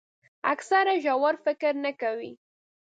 اکثره ژور فکر نه کوي.